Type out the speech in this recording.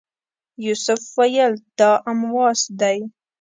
یوسف ویل دا امواس دی.